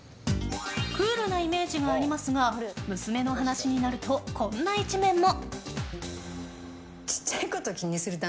クールなイメージがありますが娘の話になるとこんな一面も。